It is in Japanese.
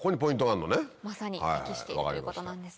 分かりました。